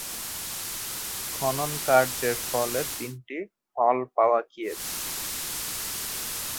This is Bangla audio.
খননকার্যের ফলে তিনটি হল পাওয়া গিয়েছে।